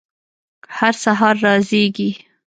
هر سهار را زیږي